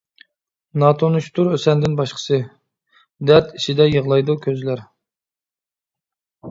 ناتونۇشتۇر سەندىن باشقىسى، دەرد ئىچىدە يىغلايدۇ كۆزلەر.